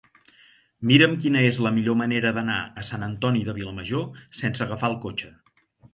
Mira'm quina és la millor manera d'anar a Sant Antoni de Vilamajor sense agafar el cotxe.